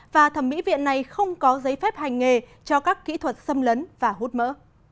và thẩm mỹ viện này không có giấy phép hành nghề cho các kỹ thuật xâm lấn và hút mỡ